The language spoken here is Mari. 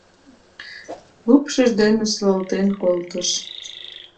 Лупшыж дене солалтен колтыш.